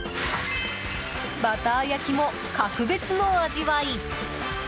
バター焼きも、格別の味わい。